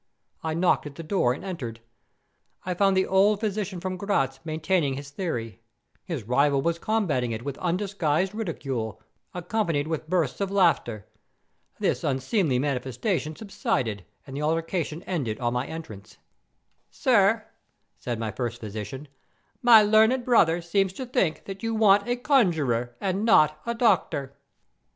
I knocked at the door and entered. I found the old physician from Gratz maintaining his theory. His rival was combating it with undisguised ridicule, accompanied with bursts of laughter. This unseemly manifestation subsided and the altercation ended on my entrance. "'Sir,' said my first physician,'my learned brother seems to think that you want a conjuror, and not a doctor.